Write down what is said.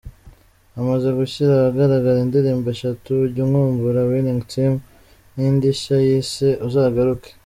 Amaze gushyira ahagaraga indirimbo eshatu, ’Ujya Unkumbura’, ’Winning Team’ n’indi nshya yise ’Uzagaruke’.